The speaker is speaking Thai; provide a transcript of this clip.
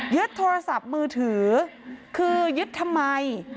โทรศัพท์มือถือคือยึดทำไม